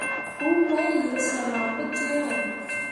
Huu main lee syem ah pǝjẽe.